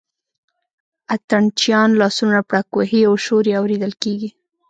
اتڼ چیان لاسونه پړک وهي او شور یې اورېدل کېږي.